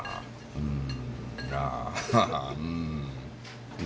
うん。